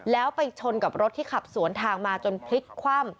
แล้วไปชนกับรถที่ขับสวนทางมาจนพลิกคว่ำ